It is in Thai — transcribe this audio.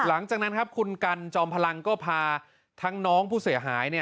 หลังจากนั้นครับคุณกันจอมพลังก็พาทั้งน้องผู้เสียหาย